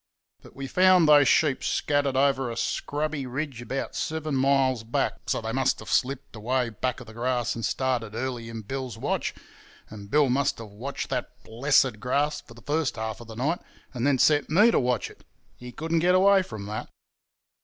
But we found those sheep scattered over a scrubby ridge about seven miles back, so they must have slipped away back of the grass and started early in Bill's watch, and Bill must have watched that blessed grass for the first half of the night and then set me to watch it. He couldn't get away from that.